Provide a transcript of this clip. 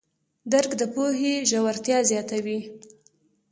درک د پوهې ژورتیا زیاتوي.